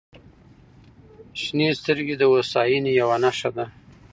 • شنې سترګې د هوساینې یوه نښه ده.